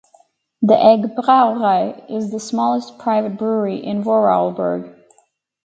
The Egg Brauerei is the smallest private brewery in Vorarlberg.